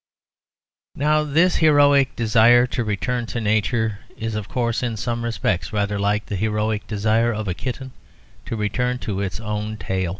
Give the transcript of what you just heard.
Now, this heroic desire to return to nature, is, of course, in some respects, rather like the heroic desire of a kitten to return to its own tail.